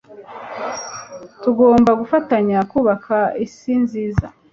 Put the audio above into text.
Tugomba gufatanya kubaka isi nziza.